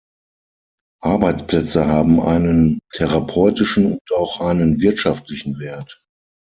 Arbeitsplätze haben einen therapeutischen und auch einen wirtschaftlichen Wert.